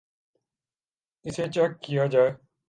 اسے چیک کیا جائے